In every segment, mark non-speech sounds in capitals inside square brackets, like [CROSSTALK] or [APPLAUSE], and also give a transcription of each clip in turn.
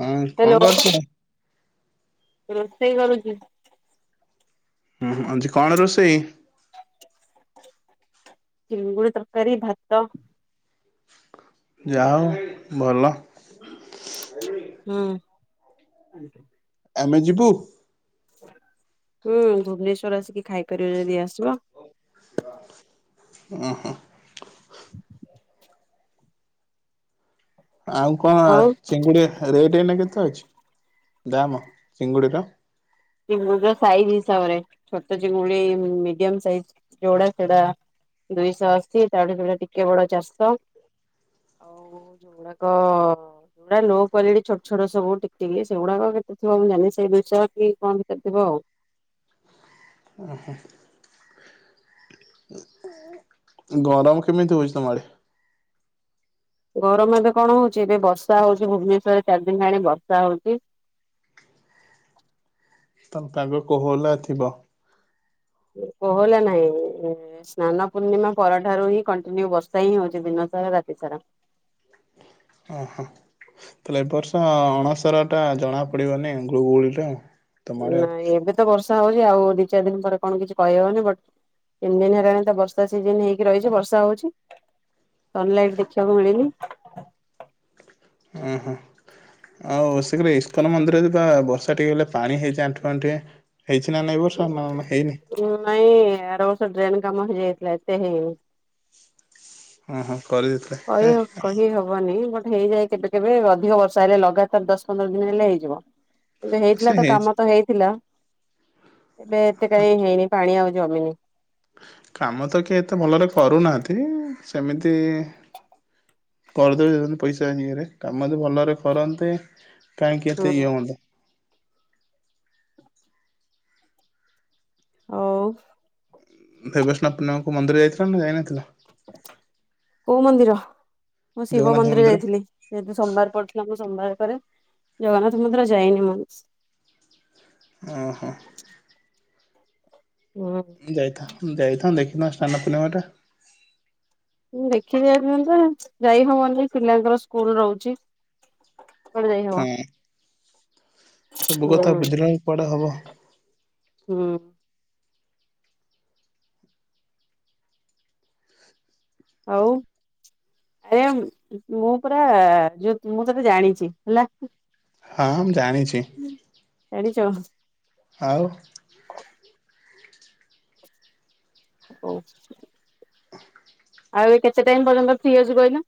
ହଁ ହ୍ୟାଲୋ କଣ କରୁଛ? ରୋଷେଇ କରୁଛି। ହୁଁ- ହୁଁ ଆଜି କଣ ରୋଷେଇ? ଚିଙ୍ଗୁଡି ତରକାରୀ, ଭାତ। ଯାହା ହଉ ଭଲ। ହୁଁ। ଆମେ ଯିବୁ? ହୁଁ ଭୁବନେଶ୍ଵର ଆସିକି, ଖାଇପାରିବେ ଯଦି ଆସିବ? ହଁ - ହଁ। ଆଉ କଣ ଆଉ ଚିଙ୍ଗୁଡି ରେଟ୍ ଏଇନା କେତେ ଅଛି? ଦାମ, ଚିଙ୍ଗୁଡ଼ିର? ଚିଙ୍ଗୁଡିର ସାଇଜ ହିସାବରେ। ଛୋଟ ଚିଙ୍ଗୁଡି ଉଁ, ମିଡିୟମ୍ ସାଇଜ ଯୋଉଡା ସେଡା। ଦୁଇଶଅଶୀ। ତାପରେ ଯୋଉଡା ଟିକେ ବଡ ଚାରଶ। ଆଉ ସେଉଡାକ ଯୋଉଡା ଲୋ କ୍ଵାଲିଟି ଛୋଟ ଛୋଟ ସବୁ ଟିକ୍ ଟିକ୍ ସେଗୁଡାକ କେତେ ଥିବ ମୁଁ ଜାଣିନି। ସେଇ ଦୁଇଶ କି କମ ଭିତରେ ଥିବ ଆଉ। ଓ, ହଁ। ଗରମ କେମିତି ହଉଛି ତୋମ ଆଡେ? ଗରମ ଏବେ କଣ ହଉଛି, ଏବେ ବର୍ଷା ହଉଚି। ଭୁବନେଶ୍ଵରରେ ଚାରିଦିନ ହେଲାଣି ବର୍ଷା ହଉଚି। ତାନ ପାଗ କୋହଲା ଥିବ? କୋହୋଲା ନାହିଁ। ସ୍ନାନ ପୂର୍ଣ୍ଣିମା ପରଠାରୁ ହିଁ କଣ୍ଟିନ୍ୟୁ ବର୍ଷା ହିଁ ହଉଛି। ଦିନ ସାରା ରାତି ସାରା। ଓହୋ ତାହଲେ ଏ ବର୍ଷ ଅଣସର ଟା ଜଣା ପଡିବନି ଗୁଳୁଗୁଳି ଟା। ନାଇ ଏବେ ତ ବର୍ଷା ହଉଚି ଆଉ ଦି ଚାରି ଦିନ ପରେ କଣ କିଛି କହିହେବନି। ବଟ୍ ତିନି ଦିନ ହେଲାଣି ତ ବର୍ଷା ସିଜନ୍ ହେଇକି ରହିଛି ବର୍ଷା ହଉଛି। ସନଲାଇଟ୍ ଦେଖିବାକୁ ମିଳନି। ଅଁ, ହଁ। ଆଉ ସେଠିବି ଇସ୍କନ୍ ମନ୍ଦିରରେ ପା ବର୍ଷା ଟିକେ ହେଲେ ପାଣି ହେଇଯାଏ ଆଣ୍ଠୁ ଆଣ୍ଠିଏ। ଓ ନାଇଁ ଆରବର୍ଷ ଡ୍ରେନ୍ କାମ ହେଇଯାଇଥିଲା ଏତେ ହେଇନି। ଅଁ, ହଁ। କଇହ କହି ହବନି। ବଟ୍ ହେଇଯାଏ କେବେ କେବେ ଅଧିକ ବର୍ଷା ହେଲେ ଲଗାତାର ଦଶ ପନ୍ଦର ଦିନ ହେଲେ ହେଇଯିବ। ଏବେ ସେ ହେଇଥିଲା ତ ହେଇଛି। କାମ ତ ହେଇଥିଲା। ଏବେ ଏତେ କାହିଁ ହେଇନି ପାଣି ଆଉ ଜମିନି କାମ ତ କିଏ ଏତେ ଭଲରେ କରୁନାହାନ୍ତି। ସେମିତି କରିଦେଅନ୍ ପଇସା ଇଏରେ କାମ ଯଦି ଭଲରେ କରନ୍ତେ କାହିଁକି ହୁଁ ଏତେ ଇଏ ହୁଅନ୍ତା। ଆଉ ଦେବସ୍ନାନ ପୂର୍ଣ୍ଣିମା କୁ ମନ୍ଦିର ଯାଇଥିଲ ନା ଯାଇନଥିଲ? କୋଉ ମନ୍ଦିର? ମୁଁ ଶିବ ମନ୍ଦିର ଯାଇଥିଲି ଯେହେତୁ ସୋମବାର ପଡିଥିଲା। ମୁଁ ସୋମବାର କରେ। ଜଗନ୍ନାଥ ମନ୍ଦିର ଯାଇନି ମୁଁ। ଅଁ, ହଁ। ହଁ। ଯାଇଥାନ୍ତ ଦେଖିଥାନ୍ତ ସ୍ନାନପୂର୍ଣ୍ଣିମା ଟା। ଦେଖି ଯାଇଥାନ୍ତି ଯେ ଯାଇ ହବନି ପିଲାଙ୍କର ସ୍କୁଲ୍ ରହୁଛି। କୁଆଡେ ଯାଇହବ। ହଁ ସବୁ କଥା ବୁଝିଲାକୁ କୁଆଡେ ହବ। ହୁଁ ଆଉ ଏଂ ମୁଁ ପରା ଯୋଉ ମୁଁ ତତେ ଜାଣିଛି ହେଲା। ହଁ ମୁଁ ଜାଣିଛି। ଚ ଆଉ ହୋଉ ଆଉ ଏ କେତେ ଟାଇମ୍ ପର୍ଯ୍ୟନ୍ତ ଫ୍ରି ଅଛୁ କହିଲୁ?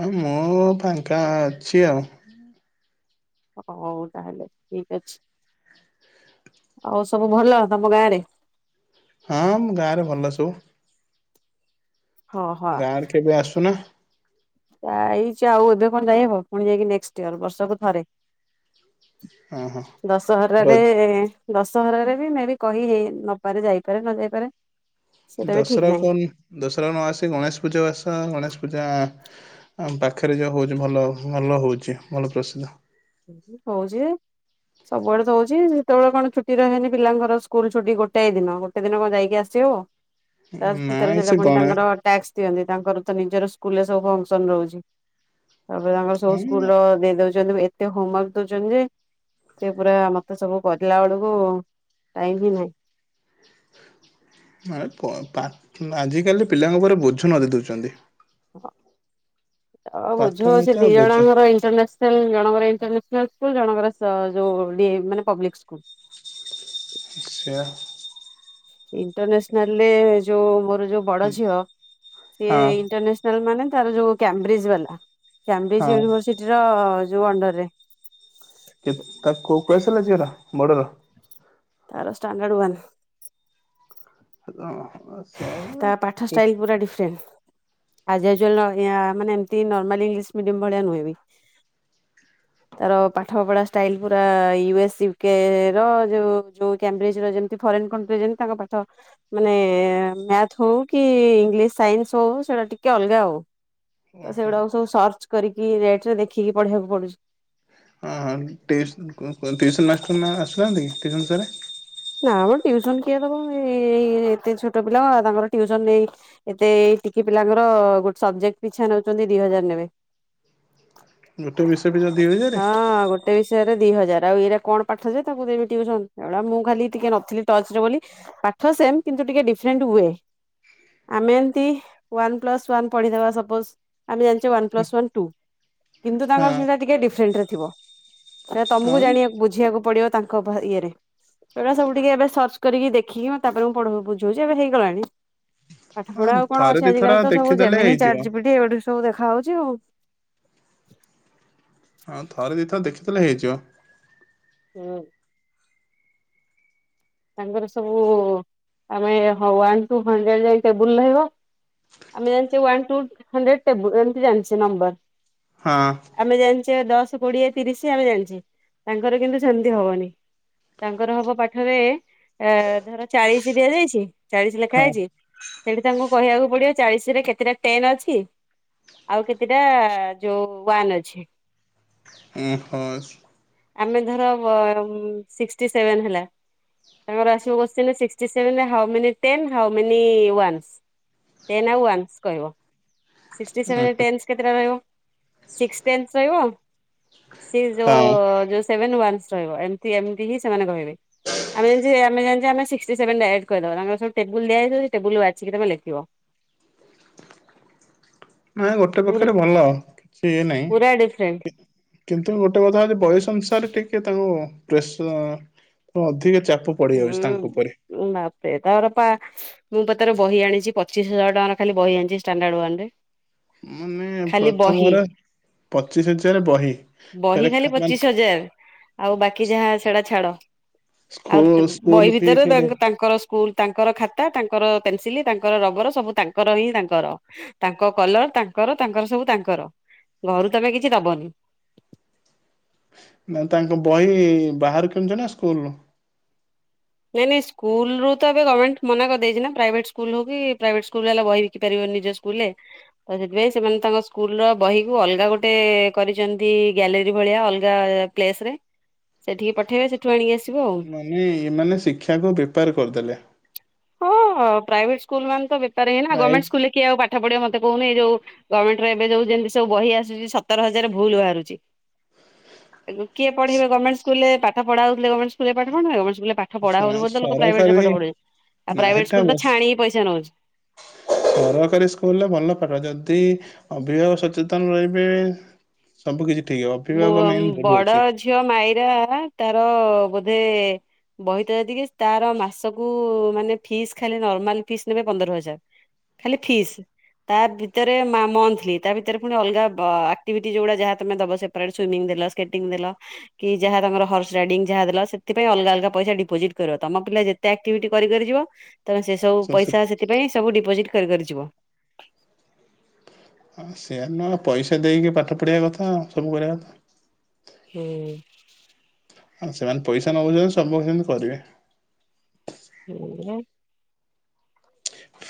ଆଉ ମୁଁ ଫାଙ୍କା ଅଛି ଆଉ। ହଉ ତାହେଲେ ଠିକ ଅଛି। ଆଉ ସବୁ ଭଲ ତୋମ ଗାଁରେ? ହଁ ଆମ ଗାଁ ରେ ଭଲ ସବୁ। ହଁ ହଁ ଗାଁରେ କେବେ ଆସୁନା ଯାଇଛି ଆଉ ଏବେ କଣ ଯାଇହବ ପୁଣି ଯାଇକି ନେକ୍ସଟ ଇୟର ବର୍ଷକୁ ଥରେ ହଁ ହଁ ଦଶହରାରେ ଦଶହରାରେ ବି ମେ ବି କହି ହେଇ ନପାରେ ଯାଇପାରେ ନ ଯାଇପାରେ ସେଇଟା ବି ଠିକ ଦଶହରା ନାହିଁ କଣ ଦଶହରା ନ ଆସି ଗଣେଶ ପୂଜା ଆସ ଗଣେଶ ପୂଜା ଆ ପାଖରେ ଯୋଉ ହଉଛି ଭଲ ଭଲ ହଉଛି ଭଲ ପ୍ରସିଦ୍ଧ ହଉ ଯି ସବୁଆଡେ ତ ହଉଛି ସେତେବେଳେ କଣ ଛୁଟି ରହିନେ ପିଲାଙ୍କର ସ୍କୁଲ ଛୁଟି ଗୋଟଏ ଦିନ ଗୋଟେ ଦିନ କଣ ଯାଇକି ଆସିବି ଭିତରେ ନାଇଁ ସେଟା ସେ ପୁଣି ଗଣା ତାଙ୍କର ଟାକ୍ସ ଦିଅନ୍ତି ତାଙ୍କର ନିଜର ସ୍କୁଲରେ ସବୁ ଫଙ୍କସନ ରହୁଛି ତାପରେ ତାଙ୍କର ସବୁ ସ୍କୁଲ ହୁଁ ଦେଇ ଦଉଛନ୍ତି ହମୱାର୍କ ତ ଦଉଛନ୍ତି ଯେ ସେ ପୁରା ମତେ ସବୁ କରିଲା ବେଳକୁ ଟାଇମ ହିଁ ନାହିଁ ଆଜିକାଲି ପିଲାଙ୍କ ଉପରେ ବୋଝ ନ ଦେଇ ଦଉଛନ୍ତି ଆଉ ପାଠ ବୁଝଉଛି ନତ ଦି ବୋଝ ଜଣଙ୍କର ଇଣ୍ଟରନାାସନାଲ ଜଣଙ୍କର ଇଣ୍ଟରାସନା ସ୍ ଜଣଙ୍କର ମାନେ ପବ୍ଲିକ୍ ସ୍କୁଲ୍ ଆ୍ ସୋ ଇଣ୍ଟରନାାସନାଲରେ ଯୋଉ ମୋର ଯଉ ବଡ ଝିଅ ସିଏ ହଁ ଇଣ୍ଟରନେସନାଲ ମାନେ ତାର ଯୋଉ କଂବ୍ରିଜ୍ ବାଲା ହଁ କ୍ୟମ୍ବ୍ରିଜ ୟୁନିଭରସିଟିର ଯୋଉ ଅଣ୍ଡରରେ କେ ତା କୋଉ କ୍ଲାସ ହେଲା ଝିଅର ବଡର ତାର ଷ୍ଟାଣ୍ଡର୍ଡ ୱାନ ହ ତା ପାଠ ଷ୍ଟାଇଲ ପୁରା ଡିଫରେଣ୍ଟ ଆଜି ଆଜଆ ମାନେ ଏମତି ନର୍ମାଲ ଇଂଲିଶ ମିଡିମ ଭଳିଆ ନୁହେଁ ବି ତାର ପାଠ ପଢା ଷ୍ଟାଇଲ ପୁରା ୟୁ ଏସ୍ୟକ ର ଯୋଉ ଯୋଉ କମ୍ବ୍ରିଜ ର ଯେମତି ଫରେନ୍ କଣ୍ଟ୍ରି ଯେ ତାଙ୍କ ପାଠ ମାନେ ମ୍ୟାଥ ହଉ କି ଇଂଲିଶ ସାଇନ୍ସ ହଉ ସେଇଟା ଟିକେ ଅଲଗା ହଉ ତ ଓହୋ ସେଗୁଡାକୁ ସବୁ ସର୍ଚ୍ଚ କରିକି ନେଟ ରେ ଦେଖିକି ପଢେଇବାକୁ ପଡୁଛି ଟିଉ ଟିଉସନ୍ ମାଷ୍ଟର ନା ଆସୁ ନାହାନ୍ତି କି ଟିଉସନ୍ ସାରେ ନା ମ ଟିଉସନ କିଏ ଦବ ଏ ଏତେ ଛୋଟ ପିଲା ତାଙ୍କର ଟିଉସନ ନେଇ ଏତେ ଟିକି ପିଲାଙ୍କର ଗୋଟେ ସବଜେକ୍ଟ ପିଛା ନଉଛନ୍ତି ଦି ହଜାର ନେବେ ଗୋଟେ ବିଷୟ ପିଛା ଦି ହଜାରେ ହଁ ଗୋଟେ ବି ଦି ହଜାର ଆଉ ଇରେ କଣ ପାଠଜେ ତାକୁ ଦେମି ଟିଉସନ୍ ଏଗୁଡ଼ା ମୁଁ ଖାଲି ଟିକେ ନଥିଲି ଟଚ ରେ ବୋଲି ପାଠ ସେମ କିନ୍ତୁ ଟିକେ ଡିଫରେଣ୍ଟ ୱେ ଆମେ ଏମତି ୱାନ ପ୍ଲସ ୱାନ ପଢିଦବା ସପୋଜ ଆମେ ଜାଣିଛେ ୱାନ ପ୍ଲସ ୱାନ ଟୁ କିନ୍ତୁ ହଁ ତାଙ୍କର ସେଟା ଟିକେ ଡିଫରେଣ୍ଟ ରେ ଥିବ ସେ ତମକୁ ହଁ ଜାଣିବାକୁ ବୁଝିବାକୁ ପଡିବ ତାଙ୍କ ଇଏରେ ସେଇଟା ସବୁ ଟିକେ ଏ ସର୍ଚ କରିକି ଦେଖିକି ତାପରେ ମୁଁ ପଢ ବୁଝଉଛି ଏବେ ହେଇଗଲାଣି ପାଠ ହଁ ପଢା ଆଉ କଣ ଥରେ ଅଛି ଦିଥର ଆଜିକାଲି ତ ସବୁ ଦେଖିଦେଲେ ଜେମିନି ହେଇଯିବ। ଚାଟ ଜିପିଟି ଏଗୁ ସବୁ ଦେଖ ଖାଉଛି ହଉ ହଉ ଥରେ ଦେଇଥ ଦେଖିଦଥିଲେ ହେଇଯିବ ହୁଁ ତାଙ୍କର ସବୁ ଆମେ ୱାନ ଟୁ ହୁଣ୍ଡ୍ରେଡ ଯାଇ ଟବୁଲ ରହିବ ଆମେ one two hundred table number ହଁ ଆମେ ଜାଣିଛେ ଦଶ କୋଡିଏ ତିରିଶ ଆମେ ଜାଣିଛେ ତାଙ୍କର କିନ୍ତୁ ସେମିତି ହବନି ତାଙ୍କର ହବ ପାଠରେ ଅ ଧର ଚାଳିଶ ଦିଆଯାଇଛି ଚାଳିଶ ଲେଖା ହଁ ହେଇଛି ସେଠି ତାଙ୍କୁ କହିବାକୁ କୋଡିଏ ଚାଳିଶ ରେ କେତେଟା ଟେନ୍ ଅଛି ଆଉ କେତେଟା ଯୋଉ ୱାନ୍ ଅଛି ଓ ହସ ଆମେ ଧର ବ ସିକ୍ଟୀ ସେଭେନ ହେଲା ତାଙ୍କର ଆସିଲେ sixty seven how many ten how many ones. Ten ଆଉ ୱନ୍ସ କହିବ। ସିକ୍ସଟି ଉଁ ସେଭେନ୍ଟି ଟେନ୍ସ କେତେଟା ରହିବ ସିକ୍ସ ଟେନ୍ସ ରହିବ ସେ ଯୋଉ, ହଁ ଯୋଉ ସେଭେନ ୱ। ନସ୍ ରହିବ ଏମତି ଏମତି ହିଁ ସେମାନେ କହିବେ। ଆମେ ଯେମିତି ସିକ୍ସଟି ସେଭେନ ଡାଇରେଟ ତାଙ୍କର ସବୁ ଟେବୁଲ୍ ଦିଆହେଇଥିବ ଟେବୁଲରୁ ବାଛିକି ଲେଖିବ। [INAUDIBLE] ନାଇଁ ଗୋଟେ ପୁରା ପକ୍ଷରେ ଭଲ ସିଏ ନାହିଁ। ପୁରା ଡିଫରେଣ୍ଟ କିନ୍ତୁ, ଗୋଟେ କଥା ହଉଛି ବୟସ ଅନୁସାରେ ଟିକେ ତାଙ୍କୁ ପ୍ରେସ ଅଧିକ ଚା ହୁଁ ମତେ ତାର ପା। ମୁଁ ତ ତାର ବହି ଆଣିଛି ପଚିଶ ହଜାର ଟଙ୍କାର ଖାଲି ବହି ଆଣିଛି ଷ୍ଟାଣ୍ଡାର୍ଡ ୱାନରେ। ହୁଁ ଖାଲି ବହି ପ୍ରଥମରେ ପଚିଶ ହଜାରେ ବହି ବହି କରେ ଖାଲି ଖା ପଚିଶ ହଜାର ଆଉ ବାକି ଯାହା ସେଟା ଛାଡ। ସ୍କୁ ଆଉ ସ୍କୁଲ ବହି ଫି ଭିତରେ ତା ଫେରେ ତାଙ୍କର ସ୍କୁଲ ତାଙ୍କର ଖାତା ତାଙ୍କର ପେନସିଲ ତାଙ୍କର ରବର ସବୁ ତାଙ୍କର ହିଁ ତାଙ୍କର, ତାଙ୍କ କଲର ତାଙ୍କର ତାଙ୍କର ସବୁ ତାଙ୍କର ଘରୁ ତମେ କିଛି ଦବନି। ନା ତାଙ୍କ ବହି ବାହାରୁ କିଣୁଛ ନା ସ୍କୁଲରୁ? ନାଇଁ ନାଇଁ ସ୍କୁଲରୁ ତ ଏବେ ଗମେଣ୍ଟ ମନା କରିଦେଇଛି ନା ପ୍ରାଇଭେଟ ସ୍କୁଲ ହଉ କି ପ୍ରାଇଭେଟ ସ୍କୁଲ ହେଲା ବିକି ପାରିବ ନିଜ ସ୍କୁଲରେ, ସେଥିପାଇଁ ସେମାନେ ତାଙ୍କ ସ୍କୁଲ ବହି କୁ ଅଲଗା ଗୋଟେ କରିଛନ୍ତି ଭଳିଆ ଅଲଗା ପ୍ଲେସରେ ସେଠିକି ପଠେଇବେ ସେଠୁ ଆଣିକି ଆସି ମାନେ ଏମାନେ ଶିକ୍ଷାକୁ ବେପାର କରିଦେଲେ। ହଁ, ପ୍ରାଇଭେଟ ସ୍କୁଲ ମାନ ତ ବେପାର ହିଁ ପ୍ରାଇ ଗଭର୍ଣ୍ମେଣ୍ଟ ସ୍କୁଲରେ କିଏ ପାଠ ପଢିବ ମତେ କହୁନ ଇଏ ଯୋଉ ଗଭର୍ଣ୍ଣମେଣ୍ଟରେ ଏବେ ଯୋଉ ଯେମିତି ସବୁ ବହି ଆସୁଛି ସତର ହଜାର ଭୁଲ ବାହାରୁଛି। କିଏ ପଢିବ ଗର୍ମେଣ୍ଟ ସ୍କୁଲ ରେ ପାଠ ପଢାହଉଥିଲେ ଗର୍ମେଣ୍ଟକୁ ରେ ପାଠ ପଢ ପାଠ ପଢା ହଉନି ସ- ବୋଲି ତ ପ୍ରାଇଭେଟରେ ସରକାରୀ ପାଠପଢେଇ ନା ହେଟା ସରକାରୀ ସ୍କୁଲରେ ଭଲ ପାଠ ଯଦି ଅଭିଭାବକ ସଚେତନ ରହିବେ ସବୁ କିଛି ଠିକ ମୁଁ ଅଭିଭାବକ ମେନ୍ ଭୁଲ ବଡ ଅଛି। ଝିଅ ମାଇରା ତାର ବୋଧେ ବହିତ ଯେତିକି ତାର ମାସକୁ ମାନେ ଫିସ୍ ଖାଲି ନର୍ମାଲ ଫିସ୍ ନେବେ ପନ୍ଦର ହଜାର। ଖାଲି ଫିସ୍। ତା ଭିତରେ ମନ୍ଥଲି, ତା ଭିତରେ ପୁଣି ଅଲଗା ଆକ୍ଟିଭିଟି ଯୋଉଗୁଡା ଯାହା ତମେ ଦବ ତା ସୁଇମିଂ ଦେଲ ସ୍କେଟିଂ ଦେଲ କି ଯାହା ତାଙ୍କର ହର୍ସ ରାଇଡିଙ୍ଗ ଯାହା ଦେଲ ସେଥିପାଇଁ ଅଲଗା ଅଲଗା ପଇସା ଡିପୋଜିଟ୍। ତମ ପିଲା ଯେତେ ଆକ୍ଟିଭିଟି କରି କରି ଯିବ ତମେ ସେ ସବୁ ପଇସା ସେଥିପାଇଁ ସବୁ ଡିପୋଜିଟ କରି କରି ଯିବ। ହଁ ସେଆ ନୁହଁ ପଇସା ଦେଇକି ପାଠ ପଢିବା କଥା ସବୁ କରିବା କଥା। ହୁଁ। ଆଉ ସେମାନେ ପଇସା ନବକହୁଛନ୍ତି ସବୁ ସେମିତି କରିବେ। ହୁଁ।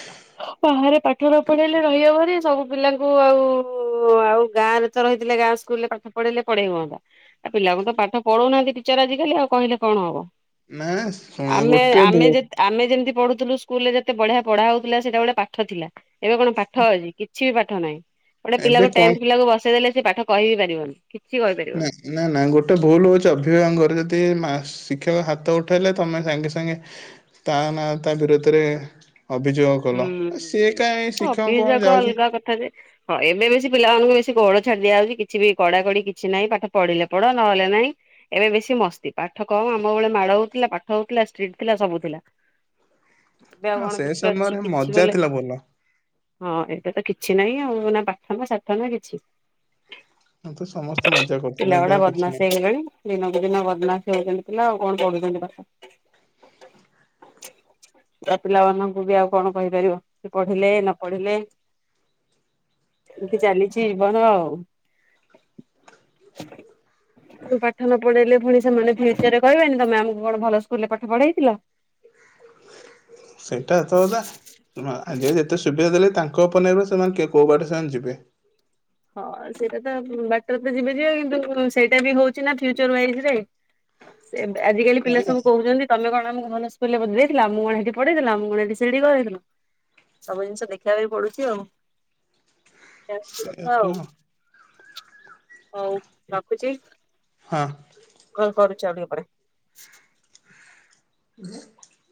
[INAUDIBLE] ବାହାରେ ପାଠ ନ ପଢେଇଲେ ରହି ହବନି ସବୁ ପିଲାଙ୍କୁ ଆଉ ଆଉ ଗାଁ ରେ ତ ରହିଥିଲେ ଗାଁ ସ୍କୁଲରେ ପାଠ ପଢେଇଲେ ପଢେଇ ହୁଅନ୍ତା, ଆଉ ପିଲାଙ୍କୁ ତ ପାଠ ପଢଉନାହାନ୍ତି ଟିଚର ଆଜିକାଲି ଆଉ କହିଲେ କଣ ହବ? ନା ଶୁଣ ଆମେ ଗୋଟେ ଆମେ ଭୁ- ଯେତି ଆମେ ଯେମତି ପଢୁୁ ଥିଲୁ ସ୍କୁଲ ରେ ଯେତେ ବଢିଆ ପଢା ହଉଥିଲା ସେଟା ଗୋଟେ ପାଠ ଥିଲା ଏବେ କଣ ପାଠ ଅଛି, କିଛି ବି ପାଠ ନାହିଁ। ଗୋଟେ ଏବେ ପିଲାକୁ କଣ ଟେନ୍ଥ ପିଲାକୁ ବସେଇଦେଲେ ସେ ପାଠ କହିିବି ପାରିବନି। କିଛି କହିପାରିବନି ନା ନା ନା ଗୋଟେ ଭୁଲ ହଉଛି ଅଭିଭାବଙ୍କର ଯଦି ମା ଶିକ୍ଷକ ହାତ ଉଠାଇଲେ ତମେ ସାଙ୍ଗେ ସାଙ୍ଗେ ତା ନା, ତା ବିରୁଦ୍ଧରେ ହୁଁ ଶିକ୍ଷକ ଅଫିସ କଣ ଯାକ ଯାଉଛି। ଅଲଗା କଥା ଯେ, ହଁ ଏବେ ବେଶୀ ପିଲାମାନଙ୍କୁ ବେଶୀ ଛାଡି ଦିଆଯାଉଛି କିଛି ବି କଡାକଡି କିଛି ନାହିଁ ପାଠ ପଢିଲେ ପଢ, ନହଲେ ନାହିଁ ଏବେ ବେଶୀ ମସ୍ତି ପାଠ କମ୍ ଆମ ବେଳେ ମାଡ ହଉଥିଲା ପାଠ ହଉଥିଲା ଷ୍ଟ୍ରିକ୍ଟ ଥିଲା ସବୁ ଥିଲା, ଏବେ ଆଉ ହଁ କଣ ସେ କିଛି ସମୟରେ ଅଛି। କିଛି ମଜା ବୋଲେ ଥିଲା ଭଲ। ହଁ ଏଇଟା ତ କିଛି ନାହିଁ ଆଉ, ନା ପାଠ ନା ସାଠ ନା କିଛି। ହଁ ତ ସମସ୍ତେ ମଜା କରୁଥିଲେ ପିଲା ଏବେ ଗୁଡ଼ା ଆଉ କିଛି ବଦମାସ ନାହିଁ ହେଇଗଲେଣି ଦିନକୁ ଦିନ ବଦମାସି ହେଉଛନ୍ତି। ପିଲା ଆଉ କଣ ପଢୁଛନ୍ତି ପାଠ ଯା ପିଲାମାନଙ୍କୁ ବି ଆଉ ‌। କଣ କହିପାରିବ ସେ ପଢିଲେ ନ ପଢିଲେ। ଏମିତି ଚାଲିଚି ଜୀବନ ଆଉ। ପୁଣି ପାଠ ନ ପଢେଇଲେ ପୁଣି ସେମାନେ ଫ୍ୟୁଚରେ କହିବେନି ତମେ ଆମକୁ କଣ ଭଲ ସ୍କୁଲ ରେ ପାଠ ପଢେଇଥିଲ। [INAUDIBLE] ସେଇଟା ତ ଯା ଆଜିକାଲି ଯେତେ ସୁବିଧା ଦେଲେ ତା ଙ୍କ ଉପରେ ନିର୍ଭର ସେମାନେ କେ କୋଉବାଟେ ସେମାନେ ଯିବେ। ହଁ ସେଇଟା ତ ବାଟରେ ତ ଯିବେ ଯିବେ କିନ୍ତୁ ସେଇଟା ବି ହଉଛି ନା ଫିୟୁଚର ୱାଇଯିରେ। ସେ ଆଜିକାଲି ପିଲା ହଁ ସବୁ କହୁଛନ୍ତି ତମେ କଣ ଆମକୁ ଭଲ ସ୍କୁ ଲ ରେ ବୁଝିଦେଇ ଥିଲ ଆମକୁ କଣ ସେଠି ପଢେଥିଲି ଆମକୁ କଣ ଏଠି ସେଠି ଗଳେଇଥିଲା। ସବୁ ଜିନିଷ ଦେଖିବା ପାଇଁ ପଡ଼ୁଛି ଆଉ। ଆଉ ଏଁ ଅ। ହଉ ରଖୁଚି। ହଁ। କଲ୍ କରୁଚି ଆଉ ଟିକେ ପରେ।